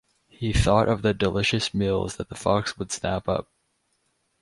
He thought of the delicious meals that the fox would snap up.